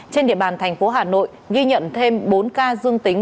trên địa bàn thành phố hà nội ghi nhận thêm bốn ca dương tính